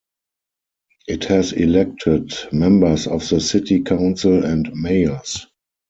It has elected members of the city council and mayors.